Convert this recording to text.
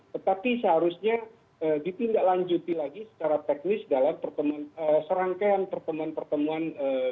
tetapi seharusnya ditindaklanjuti lagi secara teknis dalam serangkaian pertemuan pertemuan